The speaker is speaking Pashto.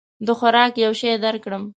د خوراک یو شی درکړم؟